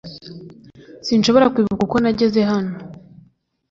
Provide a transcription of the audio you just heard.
sinshobora kwibuka uko nageze hano